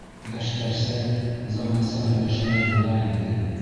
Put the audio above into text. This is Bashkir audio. Йәштәрсә, заманса һөйләшһәләр була инде.